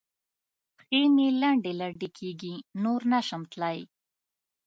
پښې مې لنډې لنډې کېږي؛ نور نه شم تلای.